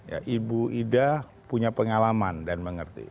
ya ibu ida punya pengalaman dan mengerti